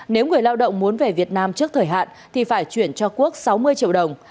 nếu người lao động muốn về việt nam trước thời hạn thì phải chuyển cho quốc sáu mươi triệu đồng